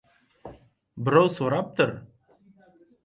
Birov so‘rabdir: